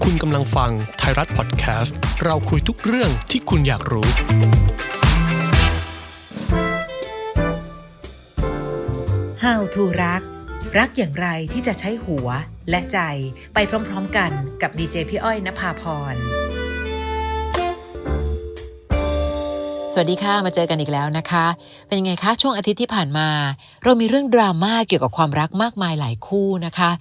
สวัสดีค่ะมาเจอกันอีกแล้วนะคะเป็นยังไงคะช่วงอาทิตย์ที่ผ่านมาเรามีเรื่องดราม่าเกี่ยวกับความรักมากมายหลายคู่นะคะ